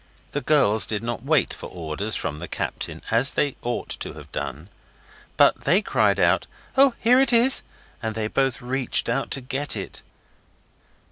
The girls did not wait for orders from the captain, as they ought to have done; but they cried out, 'Oh, here it is!' and then both reached out to get it.